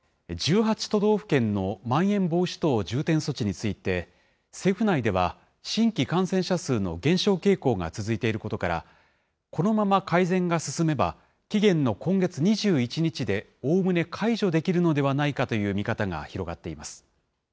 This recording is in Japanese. １８都道府県のまん延防止等重点措置について、政府内では、新規感染者数の減少傾向が続いていることから、このまま改善が進めば、期限の今月２１日で、おおむね解除できるのではないかという見方が広がっています。